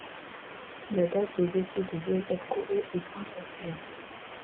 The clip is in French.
La date de décès de Joseph Kohaut est incertaine.